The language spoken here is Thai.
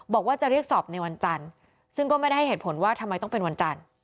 บอกว่าจะเรียกสอบในวันจันทร์ซึ่งก็ไม่ได้ให้เหตุผลว่าทำไมต้องเป็นวันจันทร์